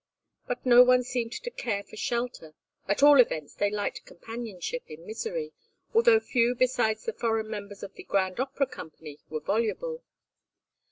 But no one seemed to care for shelter; at all events they liked companionship in misery, although few besides the foreign members of the Grand Opera Company were voluble.